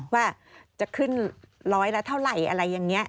ว่าจะขึ้นร้อยละเท่าไหร่อะไรอย่างนี้